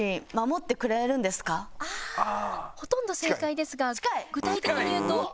ああほとんど正解ですが具体的に言うと？